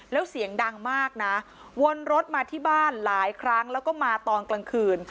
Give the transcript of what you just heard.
แล้วเสียงดังมากนะวนรถมาที่บ้านหลายครั้งแล้วก็มาตอนกลางคืน